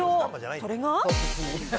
それが？